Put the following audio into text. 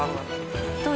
どう？